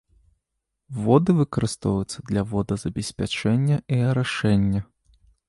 Воды выкарыстоўваюцца для водазабеспячэння і арашэння.